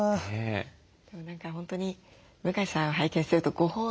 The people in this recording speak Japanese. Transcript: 何か本当に向江さん拝見してるとご褒美？